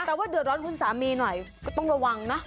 แต่ว่าเดือดร้อนคุณสามีหน่อยก็ต้องระวังนะ